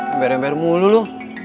ember ember mulu lu